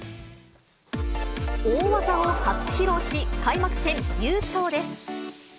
大技を初披露し、開幕戦優勝です。